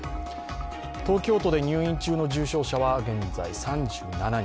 東京都で入院中の重症者は現在３７人。